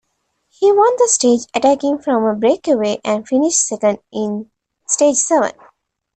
He won the stage, attacking from a breakaway, and finished second in stage seven.